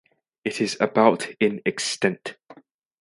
It is about in extent.